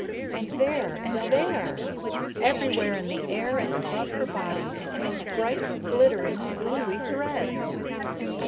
And there, and there! Everywhere in the air and above her body those bright, glittering, gluey threads!